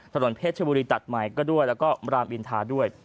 ถนนเพชรชบุรีตัดใหม่ก็ด้วยแล้วก็รามอินทาด้วย